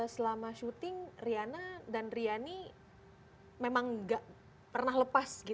selama syuting riana dan riani memang gak pernah lepas